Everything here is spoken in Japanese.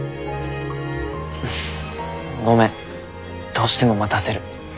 ごめんどうしても待たせる。